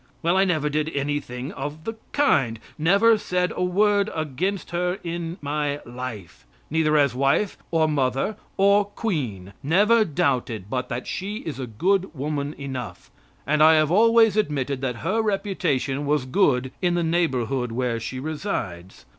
Well, I never did anything of the kind never said a word against her in in life, neither as wife, or mother, or Queen never doubted but that she is a good woman enough, and I have always admitted that her reputation was good in the neighborhood where she resides.